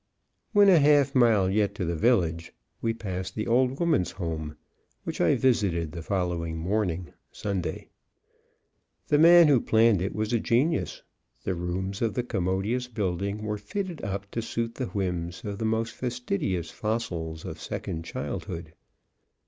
When a half mile yet to the village we passed the Old Woman's Home, which I visited the following morning, Sunday. The man who planned it was a genius. The rooms of the commodious building were fitted up to suit the whims of the most fastidious fossils of second childhood.